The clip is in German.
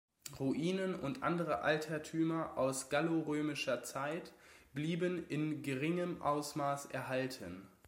Ruinen und andere Altertümer aus gallo-römischer Zeit blieben in geringem Ausmaß erhalten.